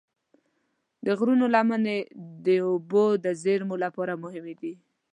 د غرونو لمنې د اوبو د زیرمو لپاره مهمې دي.